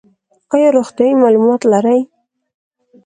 ایا روغتیایی معلومات لرئ؟